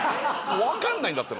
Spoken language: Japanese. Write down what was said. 分かんないんだって。